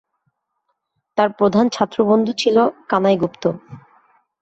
তার প্রধান ছাত্রবন্ধু ছিল কানাই গুপ্ত।